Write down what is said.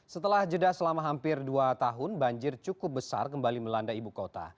setelah jeda selama hampir dua tahun banjir cukup besar kembali melanda ibu kota